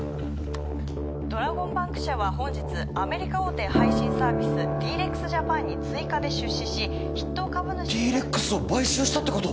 ドラゴンバンク社は本日アメリカ大手配信サービスＤ−ＲＥＸジャパンに追加で出資し筆頭株主にＤ−ＲＥＸを買収したってこと！？